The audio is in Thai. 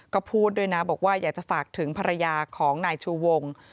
ก็พูดด้วยนะบอกว่าอยากจะฝากถึงภรรยาของนายชูวง